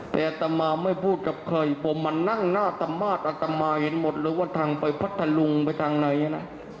แต่อัตมาไม่พูดกับใครผมมานั่งหน้าตำมาสอัตมาเห็นหมดเลยว่าทางไปพัทธลุงไปทางไหนนะ